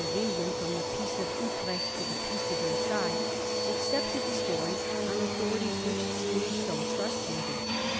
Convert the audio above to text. of England, from the Peace of Utrecht to the Peace of Versailles/ accepted the story on authorities which seemed so trustworthy.